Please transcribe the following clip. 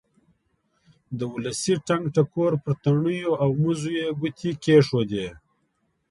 د ولسي ټنګ ټکور پر تڼیو او مزو یې ګوتې کېښودې.